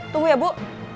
tunggu ya bu